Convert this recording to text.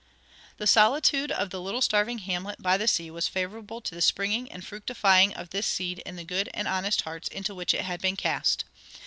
The solitude of the little starving hamlet by the sea was favorable to the springing and fructifying of this seed in the good and honest hearts into which it had been cast.